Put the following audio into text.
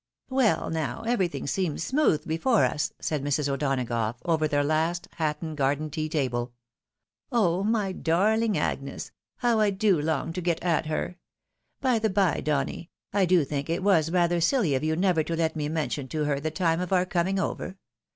" Well now, everything seems smooth before us," said Mrs. O'Donagough, over their last Hatton garden tea table, " Oh 1 my darling Agnes ! How I do long to get at her ! By the by, Donny, I do think it was rather siUy of you never to let me mention to her the time of our coming over.